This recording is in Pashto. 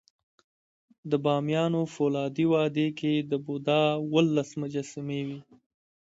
د بامیانو فولادي وادي کې د بودا اوولس مجسمې وې